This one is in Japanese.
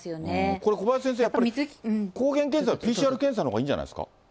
これ、小林先生、やっぱり抗原検査よりＰＣＲ検査のほうがいいんじゃないですか。